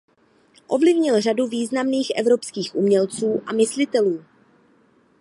Ovlivnil řadu významných evropských umělců a myslitelů.